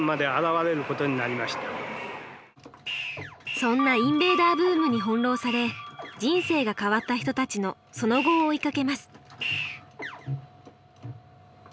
そんなインベーダーブームに翻弄され人生が変わった人たちのその後を追いかけます。